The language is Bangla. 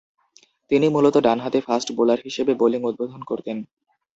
তিনি মূলতঃ ডানহাতি ফাস্ট বোলার হিসেবে বোলিং উদ্বোধন করতেন।